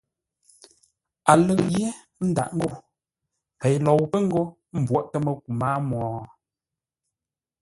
A lə̂ʼ yé, ə́ ndáʼ ngô: Pei lou pə́ ńgó m mbwóʼtə́ məku mâa mwo.